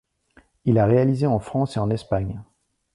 Il a réalisé en France et en Espagne.